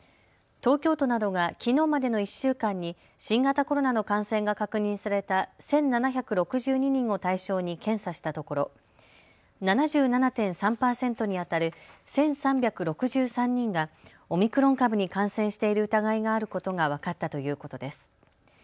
東京都などがきのうまでの１週間に新型コロナの感染が確認された１７６２人を対象に検査したところ７７．３％にあたる１３６３人がオミクロン株に感染している疑いがあることが分かったということです。